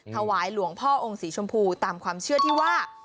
ถวายหลวงพ่อองค์สีชมพูตามความเชื่อที่ว่า